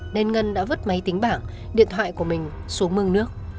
nên ngân đã vứt máy tính bảng điện thoại của mình xuống mương nước